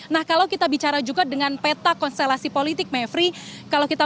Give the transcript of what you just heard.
nah kalau kita bicara juga dengan peta konstelasi politik mevri